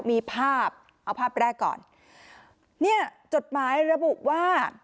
มีภาพเอาภาพแรกก่อนเนี่ยจดหมายระบุว่า